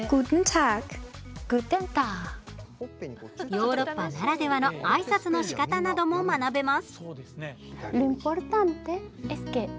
ヨーロッパならではのあいさつのしかたなども学べます。